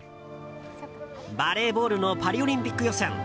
バレーボールのパリオリンピック予選。